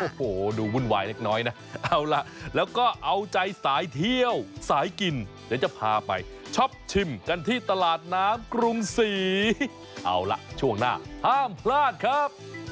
โอ้โหดูวุ่นวายเล็กน้อยนะเอาล่ะแล้วก็เอาใจสายเที่ยวสายกินเดี๋ยวจะพาไปช็อปชิมกันที่ตลาดน้ำกรุงศรีเอาล่ะช่วงหน้าห้ามพลาดครับ